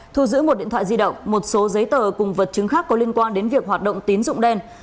thu giữ một điện thoại di động một số giấy tờ cùng vật chứng khác có liên quan đến việc hoạt động tín dụng đen